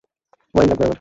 Wine লাগবে আমার!